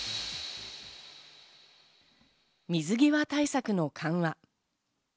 水際対策の緩和。